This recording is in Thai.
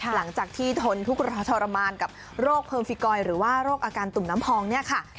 หลังจากที่ทนทุกข์ทรมานกับโรคเพอร์ฟิกอยหรือว่าโรคอาการตุ่มน้ำพองเนี่ยค่ะ